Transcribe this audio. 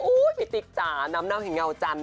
อุ๊ยมีติ๊กจ่าน้ำเน่าเห็นเงาจัน